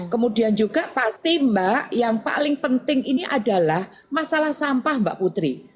kemudian juga pasti mbak yang paling penting ini adalah masalah sampah mbak putri